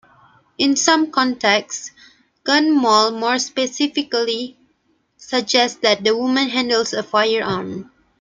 In some contexts, "gun moll" more specifically suggests that the woman handles a firearm.